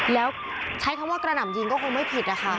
แล้วใช้คำว่ากระหน่ำยิงก็คงไม่ผิดนะคะ